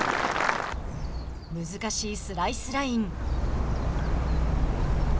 難しいスライスライン。